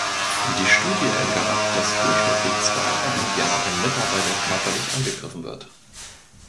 Die Studie ergab, dass durchschnittlich zweimal im Jahr ein Mitarbeiter körperlich angegriffen wird.